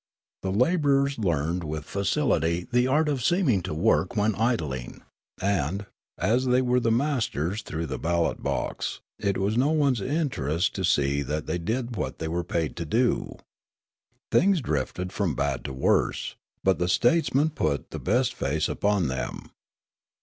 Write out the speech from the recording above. The labourers learned with facility the art of seeming to work when idling ; and, as they were the masters through the ballot box, it was no one's interest to see that they did what they were paid to do. Things drifted from bad to worse ; but the statesman put the best face upon them.